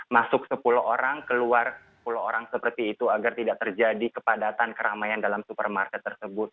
masuk sepuluh orang keluar sepuluh orang seperti itu agar tidak terjadi kepadatan keramaian dalam supermarket tersebut